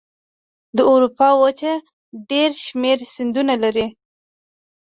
د اروپا وچه ډېر شمیر سیندونه لري.